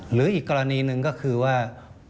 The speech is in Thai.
หรืออีกกรณีหนึ่งก็คือว่า